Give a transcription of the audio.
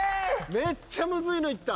めっちゃムズいのいった。